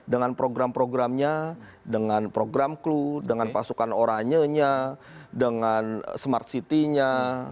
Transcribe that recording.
dengan program programnya dengan program klu dengan pasukan oranye nya dengan smart city nya